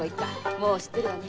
もう知ってるわね。